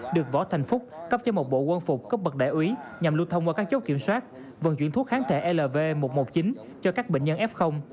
được võ thành phúc cấp cho một bộ quân phục cấp bậc đại úy nhằm lưu thông qua các chốt kiểm soát vận chuyển thuốc kháng thể lv một trăm một mươi chín cho các bệnh nhân f